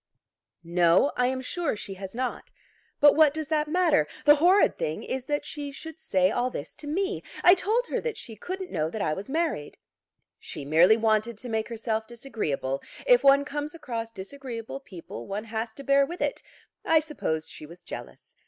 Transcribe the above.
"No; I'm sure she has not. But what does that matter? The horrid thing is that she should say all this to me. I told her that she couldn't know that I was married." "She merely wanted to make herself disagreeable. If one comes across disagreeable people one has to bear with it. I suppose she was jealous.